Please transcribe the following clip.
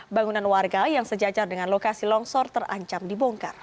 bangunan warga yang sejajar dengan lokasi longsor terancam dibongkar